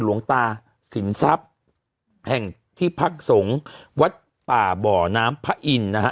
หลวงตาสินทรัพย์แห่งที่พักสงฆ์วัดป่าบ่อน้ำพระอินทร์นะฮะ